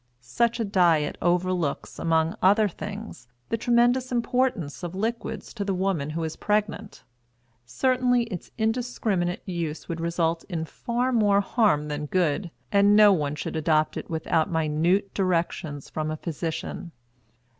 Such a diet overlooks, among other things, the tremendous importance of liquids to the woman who is pregnant. Certainly its indiscriminate use would result in far more harm than good; and no one should adopt it without minute directions from a physician.